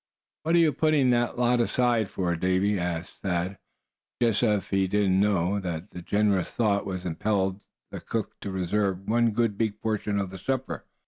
"What are you putting that lot aside for, Davy?" asked Thad; just as if he did not know the generous thought which impelled the cook to reserve one good big portion of the supper.